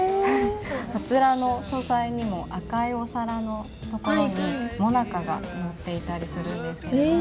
こちらの書斎にも赤いお皿の所にもなかが載っていたりするんですけれども。